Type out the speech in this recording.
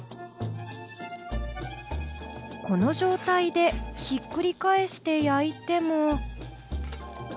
この状態でひっくり返して焼いても。